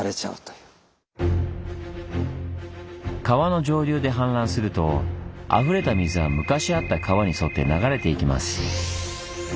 川の上流で氾濫するとあふれた水は昔あった川に沿って流れていきます。